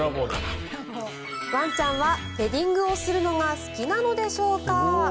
ワンちゃんはヘディングをするのが好きなのでしょうか。